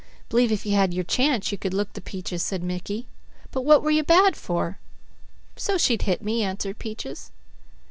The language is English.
"B'lieve if you had your chance you could look the peaches," said Mickey, "but what were you bad for?" "So's she'd hit me," answered Peaches.